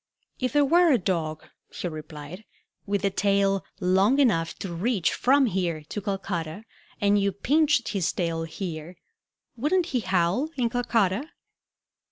"If there were a dog," he replied, "with a tail long enough to reach from here to Calcutta, and you pinched his tail here, wouldn't he howl in Calcutta?"